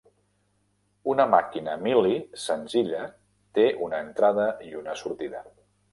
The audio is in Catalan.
Una màquina Mealy senzilla té una entrada i una sortida.